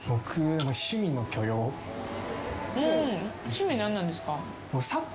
趣味何なんですか？